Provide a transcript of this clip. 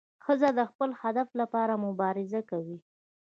ښځه د خپل هدف لپاره مبارزه کوي.